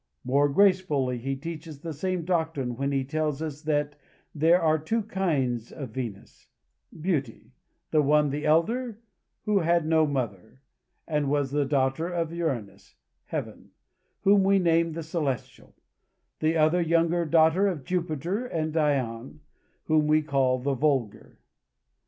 More gracefully he teaches the same doctrine when he tells us that "there are two kinds of Venus, (beauty;) the one, the elder, who had no mother, and was the daughter of Uranus, (heaven,) whom we name the celestial; the other, younger, daughter of Jupiter and Dione, whom we call the vulgar."